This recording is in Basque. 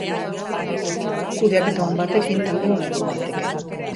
Kudeaketa on batekin talde ona egin daiteke.